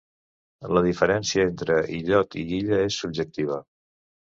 La diferència entre illot i illa és subjectiva.